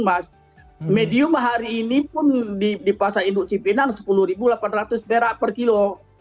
mas medium hari ini pun di pasar induk cipinang sepuluh delapan ratus perak per kilo